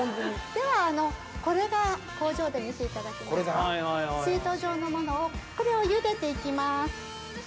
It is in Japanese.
ではこれが工場で見ていただきましたシート状のものをこれをゆでて行きます。